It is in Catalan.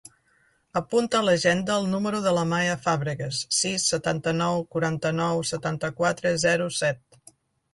Apunta a l'agenda el número de l'Amaia Fabregas: sis, setanta-nou, quaranta-nou, setanta-quatre, zero, set.